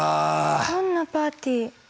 どんなパーティー。